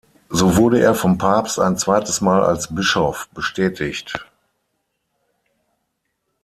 So wurde er vom Papst ein zweites Mal als Bischof bestätigt.